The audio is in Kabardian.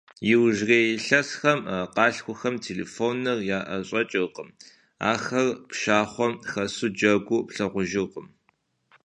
Иужьрей илъэсхэм къалъхуахэм телефоныр яӀэщӀэкӀыркъым, ахэр пшахъуэм хэсу джэгуу плъагъужыркъым.